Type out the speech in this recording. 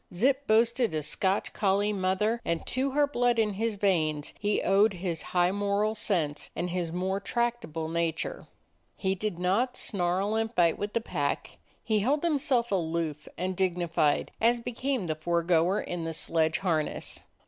Zip boasted a Scotch collie mother, and to her blood in his veins he owed his high moral sense and his more tractable nature. He did not snarl and fight with the pack. He held himself 80 A DOG OF THE NORTHLAND aloof and dignified, as became the foregoer in the sledge harness.